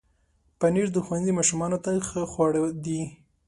پنېر د ښوونځي ماشومانو ته ښه خواړه دي.